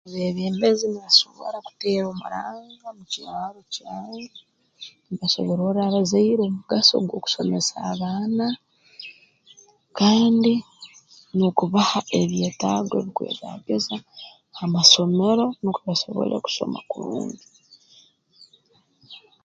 Abeebembezi nibasobora kuteera omuranga mu kyaro kyange nibasobororra abazaire omugaso gw'okusomesa abaana kandi n'okubaha ebyetaago ebikwetaagisa ha masomero nukwo basobole kusoma kurungi